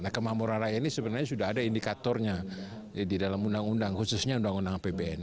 nah kemampuan rakyat ini sebenarnya sudah ada indikatornya di dalam undang undang khususnya undang undang apbn